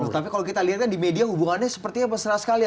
tapi kalau kita lihat kan di media hubungannya sepertinya mesra sekali